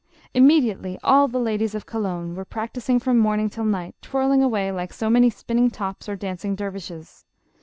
Immediately all the ladies of Cologne were practising from morning till night, " twirling away like so many spinning tops or dancing dervishes."